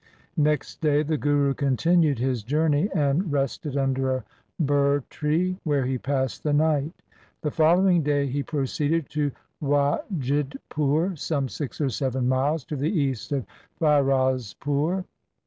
Next day the Guru continued his journey and rested under a ber tree, where he passed the night. The following day he proceeded to Wajidpur, some six or seven miles to the east of Firozpur.